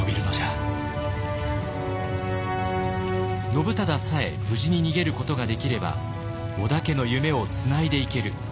信忠さえ無事に逃げることができれば織田家の夢をつないでいける。